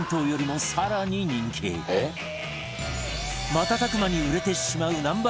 瞬く間に売れてしまう Ｎｏ．